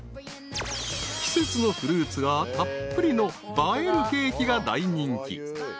［季節のフルーツがたっぷりの映えるケーキが大人気］